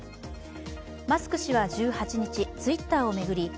マスク氏は１８日、ツイッターを巡り